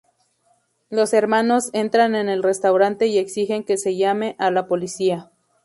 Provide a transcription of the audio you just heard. Los hermanos entran en el restaurante y exigen que se llame a la policía.